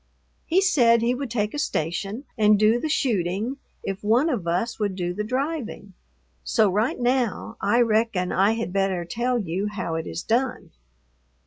He said he would take a station and do the shooting if one of us would do the driving. So right now I reckon I had better tell you how it is done.